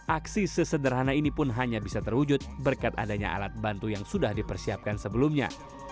aksi sesederhana ini pun hanya bisa terwujud berkat adanya alat bantu yang sudah dipersiapkan sebelumnya